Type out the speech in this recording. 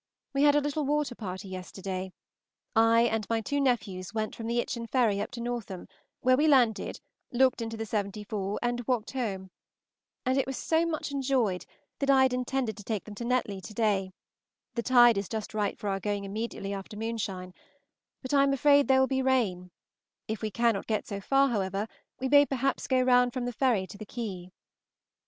We had a little water party yesterday; I and my two nephews went from the Itchen Ferry up to Northam, where we landed, looked into the 74, and walked home, and it was so much enjoyed that I had intended to take them to Netley to day; the tide is just right for our going immediately after moonshine, but I am afraid there will be rain; if we cannot get so far, however, we may perhaps go round from the ferry to the quay.